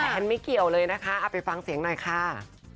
ฉันไม่เกี่ยวเลยนะคะเอาไปฟังเสียงหน่อยค่ะ